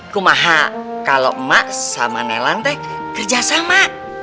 kumaha kalau mak sama nelan teh kerjasama